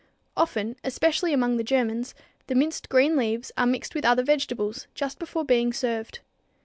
Often, especially among the Germans, the minced green leaves are mixed with other vegetables just before being served.